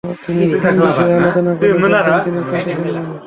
তিনি কোন বিষয়ের আলোচনা করলে বলতাম, তিনি অত্যন্ত জ্ঞানী মানুষ।